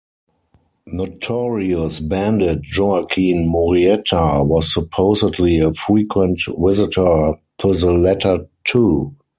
Notorious bandit Joaquin Murrieta was supposedly a frequent visitor to the latter two.